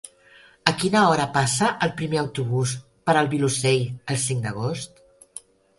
A quina hora passa el primer autobús per el Vilosell el cinc d'agost?